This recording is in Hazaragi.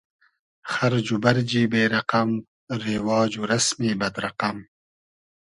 خئرج و بئرجی بې رئقئم , رېواج و رئسمی بئد رئقئم